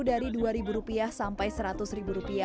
dari rp dua sampai rp seratus